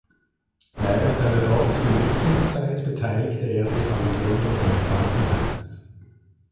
Während seiner dortigen Wirkungszeit beteiligte er sich an der Gründung eines Krankenhauses.